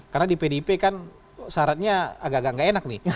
karena di pdip kan syaratnya agak agak nggak enak nih